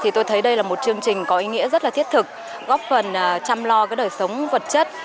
thì tôi thấy đây là một chương trình có ý nghĩa rất là thiết thực góp phần chăm lo đời sống vật chất